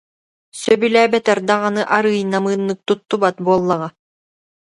Сөбүлээбэтэр даҕаны арыый намыыннык туттубат буоллаҕа